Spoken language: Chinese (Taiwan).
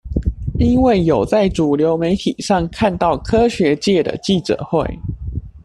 因為有在主流媒體上看到科學界的記者會